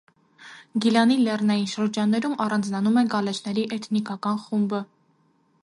Գիլանի լեռնային շրջաններում առանձնանում է գալեշների էթնիկական խումբը։